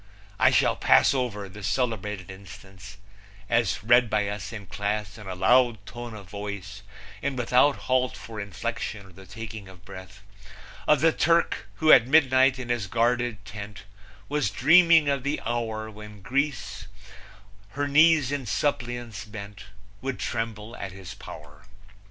I shall pass over the celebrated instance as read by us in class in a loud tone of voice and without halt for inflection or the taking of breath of the Turk who at midnight in his guarded tent was dreaming of the hour when Greece her knees in suppliance bent would tremble at his power.